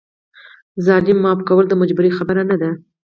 ظالم معاف کول د مجبورۍ خبره نه ده.